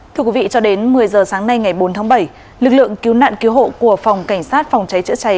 thưa quý vị cho đến một mươi giờ sáng nay ngày bốn tháng bảy lực lượng cứu nạn cứu hộ của phòng cảnh sát phòng cháy chữa cháy